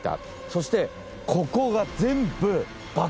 そしてここが全部。